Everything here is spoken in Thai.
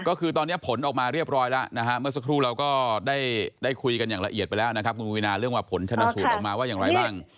ก็คือตอนนี้ผลออกมาเรียบร้อยแล้วนะฮะเมื่อสักครู่เราก็ได้คุยกันอย่างละเอียดไปแล้วนะครับคุณวินาเรื่องว่าผลชนสูตรออกมาว่าอย่างไรบ้าง